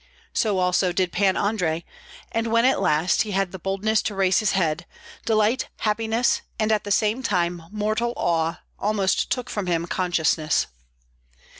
So also did Pan Andrei; and when at last he had the boldness to raise his head, delight, happiness, and at the same time mortal awe, almost took from him consciousness.